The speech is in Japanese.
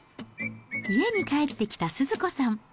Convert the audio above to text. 家に帰ってきたスズ子さん。